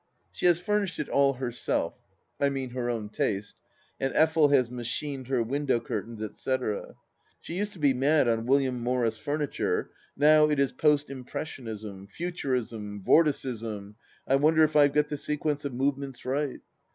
She has furnished it all herself — I mean her own taste — and Effel has machined her window curtains, etc. She used to be mad on William Morris furniture, now it is Post Impressionism — Futurism — Vorticism — I wonder if I have got the sequence of movements right